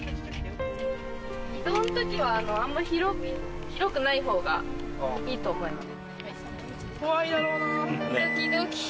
移動のときはあんま広くない方がいいと思います。